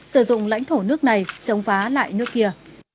sử dụng lãnh thổ nước này chống phá lại nước kia